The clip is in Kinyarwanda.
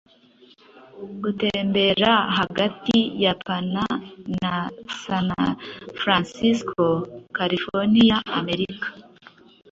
gutembera hagati ya Panama na San Francisco, California, Amerika .